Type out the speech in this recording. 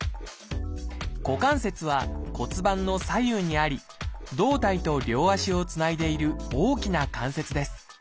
股関節は骨盤の左右にあり胴体と両足をつないでいる大きな関節です。